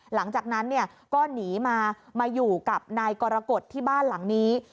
หลังจากนั้นก็หนีมามาอยู่กับนายกรกฎที่บ้านหลังนี้